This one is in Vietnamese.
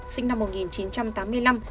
sinh năm một nghìn chín trăm tám mươi năm